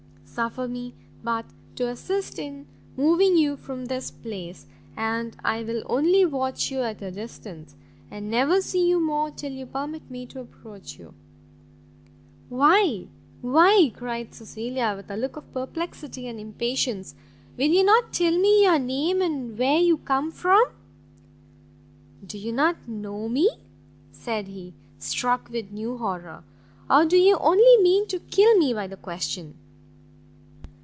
Suffer me but to assist in removing you from this place, and I will only watch you at a distance, and never see you more till you permit me to approach you." "Why, why," cried Cecilia, with a look of perplexity and impatience, "will you not tell me your name, and where you come from?" "Do you not know me?" said he, struck with new horror; "or do you only mean to kill me by the question?"